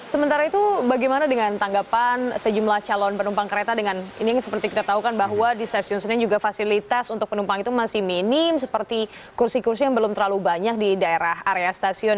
sementara itu bagaimana dengan tanggapan sejumlah calon penumpang kereta dengan ini seperti kita tahu kan bahwa di stasiun senen juga fasilitas untuk penumpang itu masih minim seperti kursi kursi yang belum terlalu banyak di daerah area stasiun